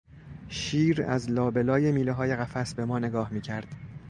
شیر از لا به لای میلههای قفس به ما نگاه میکرد.